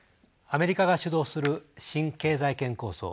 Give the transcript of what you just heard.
アメリカが主導する新経済圏構想